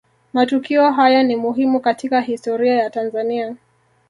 Matukio haya ni muhimu katika historia ya Tanzania